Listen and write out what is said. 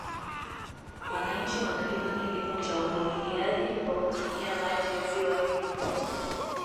Wananchi wanalima kilimo cha umwagiliaji kwa kutumia maji ya ziwa hilo